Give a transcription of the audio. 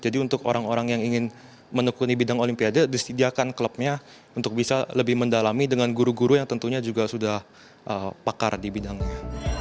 jadi untuk orang orang yang ingin menekuni bidang olimpiade disediakan klubnya untuk bisa lebih mendalami dengan guru guru yang tentunya juga sudah pakar di bidangnya